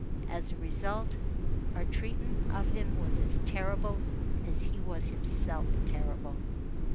As a result, our treatment of him was as terrible as he was himself terrible.